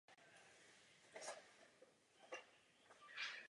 Alej je chráněna jako nemovitá kulturní památka České republiky.